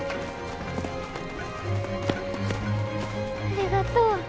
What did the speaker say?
ありがとう。